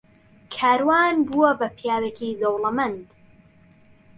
کاروان بووە بە پیاوێکی دەوڵەمەند.